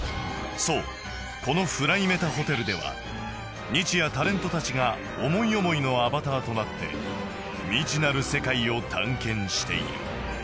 そうこの ＦｌｙＭｅｔａＨＯＴＥＬ では日夜タレントたちが思い思いのアバターとなって未知なる世界を探検している